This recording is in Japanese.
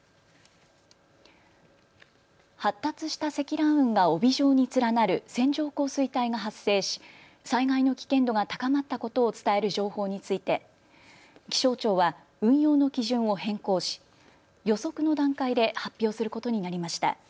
発達した積乱雲が帯状に連なる線状降水帯が発生し災害の危険度が高まったことを伝える情報について気象庁は運用の基準を変更し予測の段階で発表することになりました。